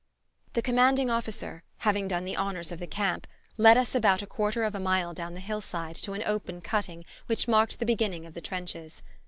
The commanding officer, having done the honours of the camp, led us about a quarter of a mile down the hillside to an open cutting which marked the beginning of the trenches.